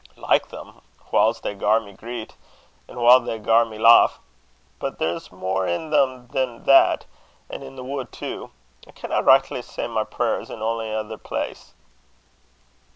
"Like them! whiles they gar me greet an' whiles they gar me lauch; but there's mair i' them than that, an' i' the wood too. I canna richtly say my prayers in ony ither place."